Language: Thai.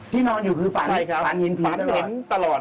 ที่นอนอยู่คือฝันเห็นตลอด